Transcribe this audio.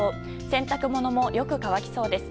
洗濯物もよく乾きそうです。